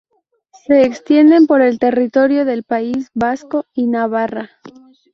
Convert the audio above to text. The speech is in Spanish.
Se extienden por el territorio del País Vasco y Navarra.